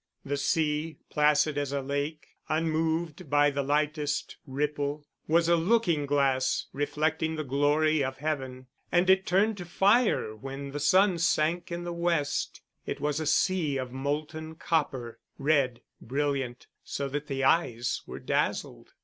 The sea, placid as a lake, unmoved by the lightest ripple, was a looking glass reflecting the glory of heaven; and it turned to fire when the sun sank in the west; it was a sea of molten copper, red, brilliant, so that the eyes were dazzled.